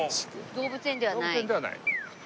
動物園ではない。